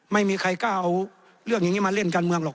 ไม่มีใครกล้าเอาเรื่องอย่างนี้มาเล่นการเมืองหรอก